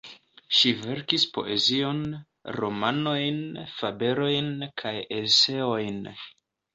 Ŝi verkis poezion, romanojn, fabelojn kaj Eseojn.